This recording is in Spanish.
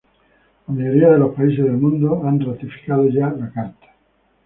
La mayoría de los países del mundo han ratificado ya la Carta.